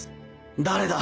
誰だ？